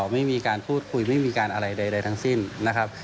ไม่มีการพูดคุยไม่มีการอะไรใดทั้งสิ้นนะครับ